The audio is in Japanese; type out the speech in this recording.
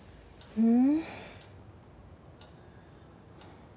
うん？